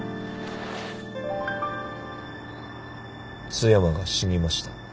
津山が死にました。